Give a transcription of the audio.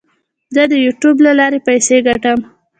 زه د یوټیوب له لارې پیسې ګټم.